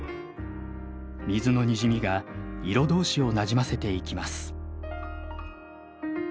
水のにじみが色同士をなじませていきます。